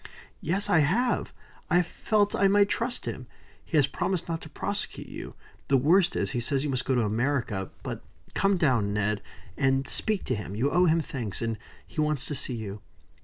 "Yes, I have. I felt I might trust him. He has promised not to prosecute you. The worst is, he says you must go to America. But come down, Ned, and speak to him. You owe him thanks, and he wants to see you."